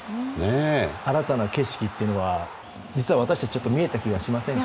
新たな景色というのは実は私たちちょっと見えた気がしませんか。